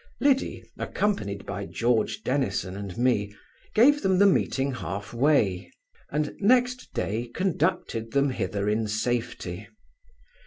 Liddy, accompanied by George Dennison and me, gave them the meeting halfway, and next day conducted them hither in safety.